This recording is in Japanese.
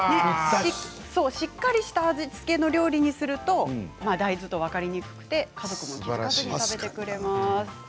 しっかりした味付けの料理にすると大豆と分かりにくくて家族も気付かずに食べてくれます。